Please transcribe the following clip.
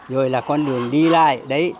rồi là con đường đi lại đấy